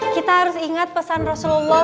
kita harus ingat pesan rasulullah